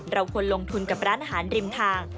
เราควรลงทุนกับร้านอาหารริมทาง